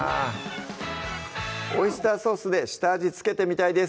オイスターソースで下味付けてみたいです